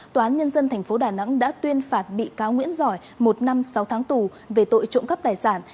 tòa án nhân dân tp đà nẵng đã tuyên phạt bị cáo nguyễn giỏi một năm sáu tháng tù về tội trộm cắp tài sản